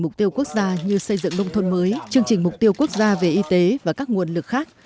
mục tiêu quốc gia như xây dựng nông thôn mới chương trình mục tiêu quốc gia về y tế và các nguồn lực khác